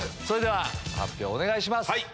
それでは発表お願いします。